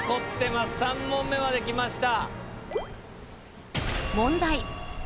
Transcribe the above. ３問目まで来ました。